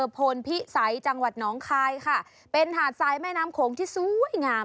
พลพิสัยจังหวัดน้องคายค่ะเป็นหาดทรายแม่น้ำโขงที่สวยงาม